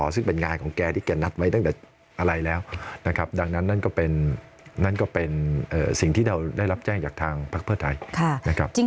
ซึ่งเป็นงานของแกที่แกนัดไว้ตั้งแต่อะไรแล้วนะครับดังนั้นนั่นก็เป็นนั่นก็เป็นสิ่งที่เราได้รับแจ้งจากทางพักเพื่อไทยนะครับ